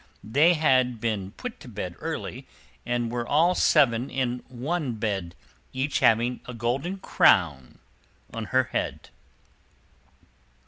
They had been put to bed early, and were all seven in one bed, each having a golden crown on her head.